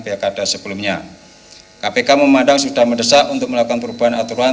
pihakada sebelumnya kpk memandang sudah mendesak untuk melakukan perubahan aturan